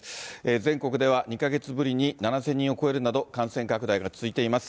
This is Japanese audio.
全国では２か月ぶりに７０００人を超えるなど感染拡大が続いています。